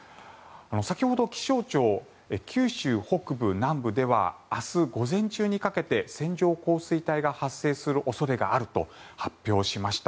先ほど気象庁九州北部、南部では明日午前中にかけて線状降水帯が発生する恐れがあると発表しました。